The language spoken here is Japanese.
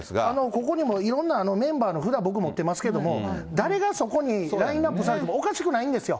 ここに僕いろんなメンバーの札、僕持ってますけども、誰がそこにラインナップされてもおかしくないんですよ。